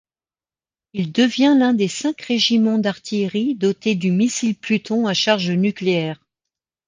Il devient l'un des cinq régiments d'artillerie doté du missile Pluton à charge nucléaire.